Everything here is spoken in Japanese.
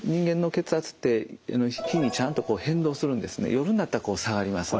夜になったら下がります。